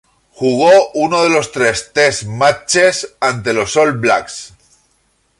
Jugó uno de los tres test matches ante los All Blacks.